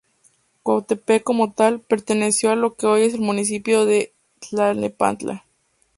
Cuautepec como tal, perteneció a lo que hoy es el Municipio de Tlalnepantla.